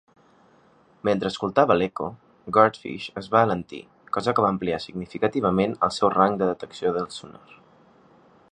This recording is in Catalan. Mentre escoltava l'Echo, "Guardfish" es va alentir, cosa que va ampliar significativament el seu rang de detecció del sonar.